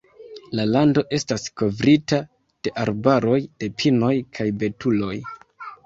La lando estas kovrita de arbaroj de pinoj kaj betuloj.